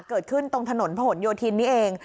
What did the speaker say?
เกิดขึ้นตรงถนนผนโยธินนี่เอง